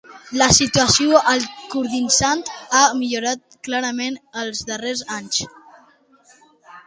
La situació al Kurdistan ha millorat clarament els darrers anys.